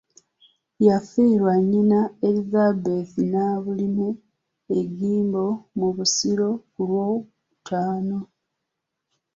Yafiirwa Nnyina Elizabeth Nabulime e Gimbo mu Busiro ku Lwokutaano.